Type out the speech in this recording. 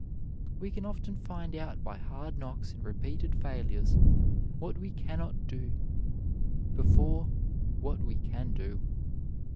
We can often find out by hard knocks and repeated failures what we can not do before what we can do.